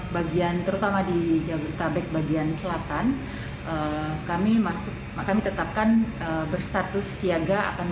bagian terutama di jabodetabek bagian selatan kami masuk kami tetapkan berstatus siaga akan